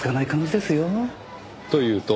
というと？